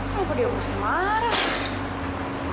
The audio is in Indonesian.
kok dia masih marah